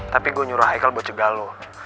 tapi gue nyuruh ikel buat cegah lo